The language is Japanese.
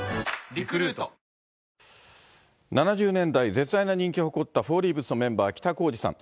絶大な人気を誇ったフォーリーブスのメンバー、北公次さん。